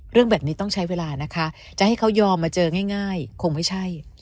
เรื่องแบบนี้ต้องใช้เวลานะคะจะให้เขายอมมาเจอง่ายคงไม่ใช่